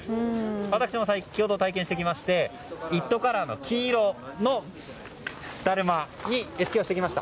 私も先ほど体験してきまして「イット！」カラーの黄色のだるまに絵付けをしてきました。